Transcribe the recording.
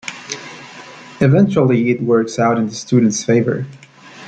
Eventually it works out in the students' favor.